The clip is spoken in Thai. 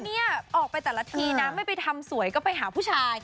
เนี่ยออกไปแต่ละทีนะไม่ไปทำสวยก็ไปหาผู้ชาย